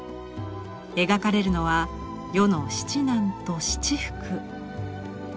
描かれるのは世の七難と七福。